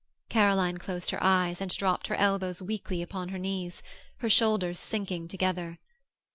Caroline closed her eyes and dropped her elbows weakly upon her knees, her shoulders sinking together.